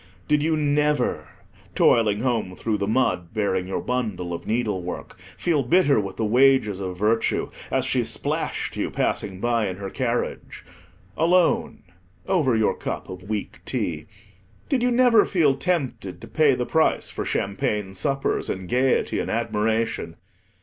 Did you never, toiling home through the mud, bearing your bundle of needlework, feel bitter with the wages of virtue, as she splashed you, passing by in her carriage? Alone, over your cup of weak tea, did you never feel tempted to pay the price for champagne suppers, and gaiety, and admiration?